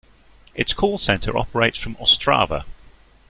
Its call center operates from Ostrava.